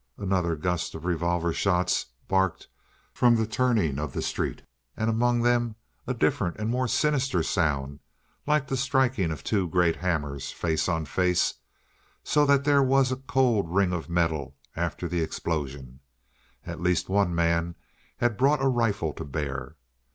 Another gust of revolver shots barked from the turning of the street, and among them a different and more sinister sound like the striking of two great hammers face on face, so that there was a cold ring of metal after the explosion at least one man had brought a rifle to bear.